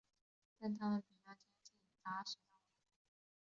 但它们比较接近杂食动物。